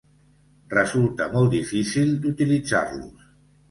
Resulta molt difícil d'utilitzar-los.